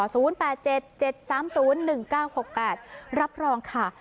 ศูนย์แปดเจ็ดเจ็ดสามศูนย์หนึ่งเก้าหกแปดรับรองค่ะ